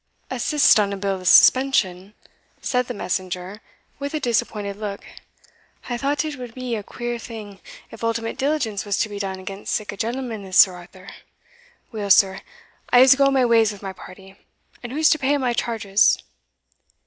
"A sist on a bill o' suspension," said the messenger, with a disappointed look; "I thought it would be a queer thing if ultimate diligence was to be done against sic a gentleman as Sir Arthur Weel, sir, I'se go my ways with my party And who's to pay my charges?"